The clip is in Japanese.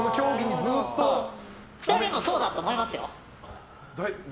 ２人もそうだと思いますよ。